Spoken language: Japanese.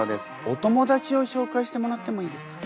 お友だちをしょうかいしてもらってもいいですか？